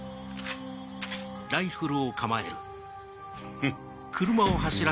フッ。